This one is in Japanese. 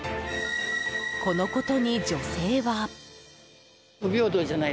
このことに、女性は。